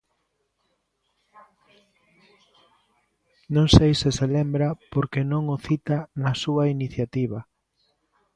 Non sei se se lembra porque non o cita na súa iniciativa.